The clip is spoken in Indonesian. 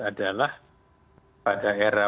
adalah pada era